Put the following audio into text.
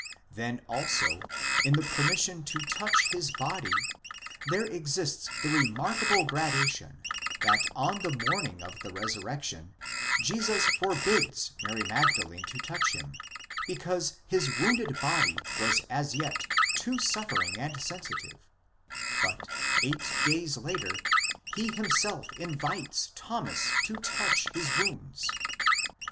Then also in the permission to touch his body there exists the remarkable gradation, that on the morning of the resurrection Jesus forbids Mary Magdalene to touch him, because his wounded body was as yet too suffering and sensitive; but eight days later, he himself invites Thomas to touch his wounds.